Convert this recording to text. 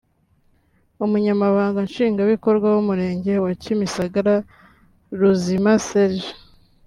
umunyamabanga Nshingwabikorwa w’umurenge wa Kimisagara Ruzima Serge